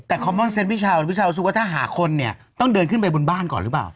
แต่คอมมอนเซ็ตพี่ชาวพี่ชาวรู้สึกว่าถ้าหาคนเนี่ยต้องเดินขึ้นไปบนบ้านก่อนหรือเปล่า